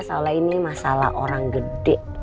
soalnya ini masalah orang gede